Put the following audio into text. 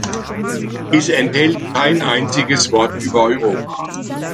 Es enthält kein einziges Wort über Europa.